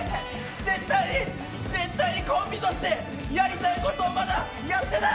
絶対、絶対コンビとしてやりたいことまだやってない！